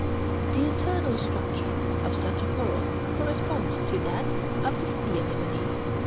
The internal structure of such a coral corresponds to that of the sea anemone.